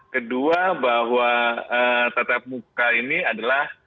kedua bahwa tatap muka ini adalah